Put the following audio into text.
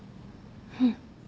うん。